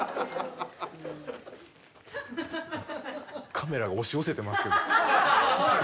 カメラが押し寄せてますけど。